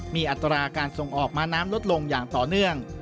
มีอัตราการส่งออกมาน้ำลดลงอย่างต่อเนื่อง